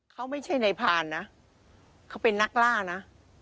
เขาไม่ใช่นายพานนะเขาเป็นนักล่านะ